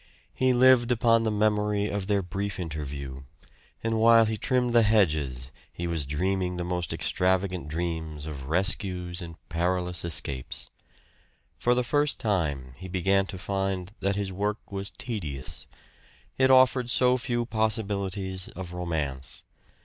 He lived upon the memory of their brief interview, and while he trimmed the hedges he was dreaming the most extravagant dreams of rescues and perilous escapes. For the first time he began to find that his work was tedious; it offered so few possibilities of romance!